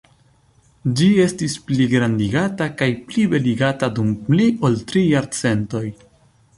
Ĝi estis pligrandigata kaj plibeligata dum pli ol tri jarcentoj.